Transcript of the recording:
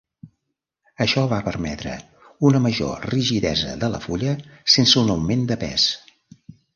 Això va permetre una major rigidesa de la fulla sense un augment de pes.